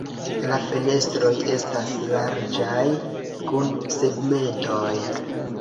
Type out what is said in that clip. La fenestroj estas larĝaj kun segmentoj.